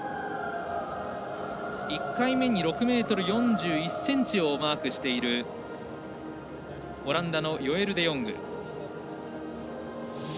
１回目に６ｍ４１ｃｍをマークしているオランダのヨエル・デヨング。